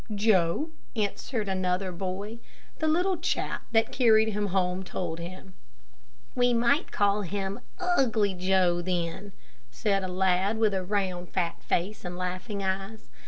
"Joe," answered another boy. "The little chap that carried him home told him." "We might call him 'Ugly Joe' then," said a lad with a round, fat face, and laughing eyes.